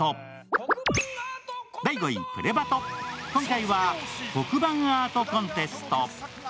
今回は黒板アートコンテスト。